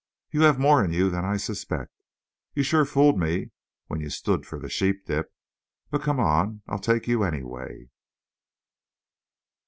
"You have more in you than I suspect. You sure fooled me when you stood for the sheep dip. But, come on, I'll take you anyway."